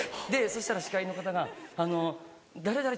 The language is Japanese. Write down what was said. そしたら司会の方が「誰々